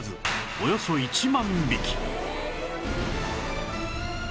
およそ１万匹